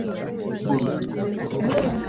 programu yako ya redio inatakiwa kurushwa hewani